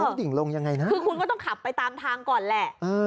เขาดิ่งลงยังไงนะคือคุณก็ต้องขับไปตามทางก่อนแหละ